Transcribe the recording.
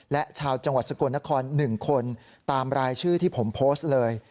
และชาวจังหวัดสกลนคร๑คนตามรายชื่อที่ผมโพสต์เลย